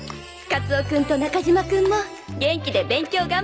「カツオ君と中島君も元気で勉強頑張ってね」